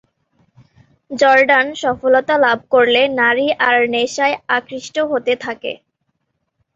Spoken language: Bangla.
জর্ডান সফলতা লাভ করলে নারী আর নেশায় আকৃষ্ট হতে থাকে।